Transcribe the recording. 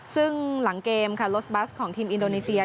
ซึ่งหลังเกมค่ะรถบัสของทีมอินโดนีเซีย